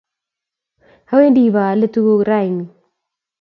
Awendi ip aale tuguk rani